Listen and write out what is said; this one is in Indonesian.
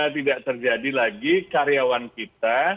tidak terjadi lagi karyawan kita